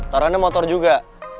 taruhannya motor juga